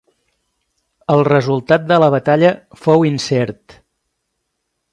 El resultat de la batalla fou incert.